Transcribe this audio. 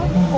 ở thành phố